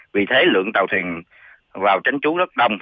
vì thế lượng tàu thuyền vào tránh trú rất đông